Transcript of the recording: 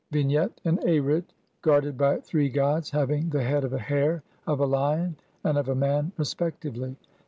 Vignette : An Arit guarded by three gods having the head of a hare, of a lion, and of a man respectively.